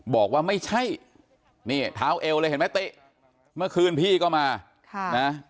บอกว่าไม่ใช่นี่เท้าเอวเลยเห็นไหมติเมื่อคืนพี่ก็มาค่ะนะ